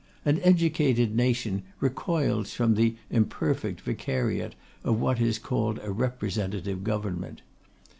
An educated nation recoils from the imperfect vicariate of what is called a representative government.